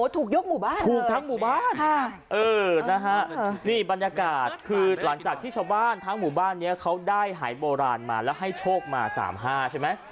ถูกยกหมู่บ้านถูกทั้งหมู่บ้านนี่บรรยากาศคือหลังจากที่ชาวบ้านทั้งหมู่บ้านนี้เขาได้หายโบราณมาแล้วให้โชคมา๓๕ใช่ไหม